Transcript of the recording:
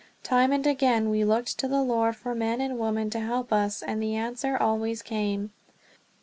Time and again we looked to the Lord for men and women to help us, and the answer always came.